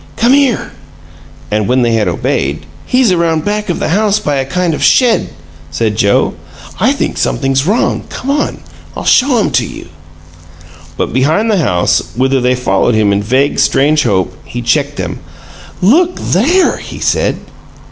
"Come here!" And, when they had obeyed, "He's around back of the house by a kind of shed," said Joe. "I think something's wrong. Come on, I'll show him to you." But behind the house, whither they followed him in vague, strange hope, he checked them. "LOOK THERE!" he said.